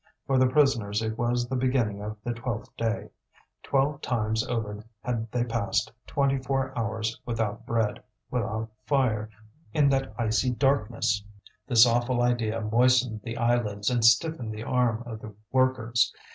For the prisoners it was the beginning of the twelfth day; twelve times over had they passed twenty four hours without bread, without fire, in that icy darkness! This awful idea moistened the eyelids and stiffened the arm of the workers.